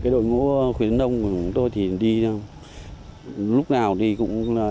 đội ngũ khuyến nông của chúng tôi thì đi lúc nào thì cũng là